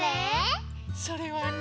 それはね。